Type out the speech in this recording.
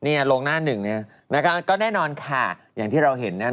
เนี่ยลงหน้าหนึ่งแน่ก็น่าก็แน่นอนค่ะอย่างที่เราเห็น